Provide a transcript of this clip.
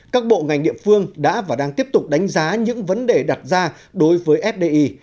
các bộ ngành địa phương đã và đang tiếp tục đánh giá những vấn đề đặt ra đối với fdi